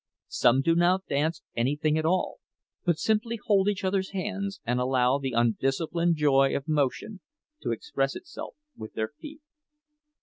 Some do not dance anything at all, but simply hold each other's hands and allow the undisciplined joy of motion to express itself with their feet.